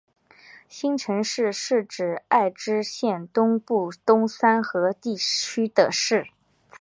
新城市是爱知县东部东三河地区的市。